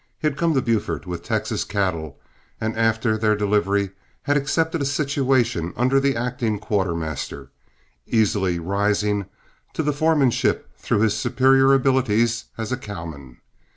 He had come to Buford with Texas cattle, and after their delivery had accepted a situation under the acting quartermaster, easily rising to the foremanship through his superior abilities as a cowman.